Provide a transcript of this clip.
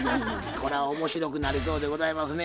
これは面白くなりそうでございますね。